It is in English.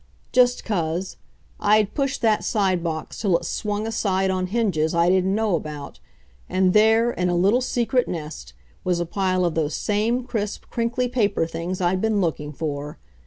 Just 'cause I had pushed that side box till it swung aside on hinges I didn't know about, and there, in a little secret nest, was a pile of those same crisp, crinkly paper things I'd been looking for.